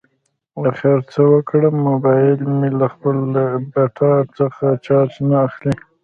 اخر څه وکړم؟ مبایل مې له خپل لاپټاپ څخه چارج نه اخلي